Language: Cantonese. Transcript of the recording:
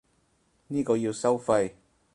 呢個要收費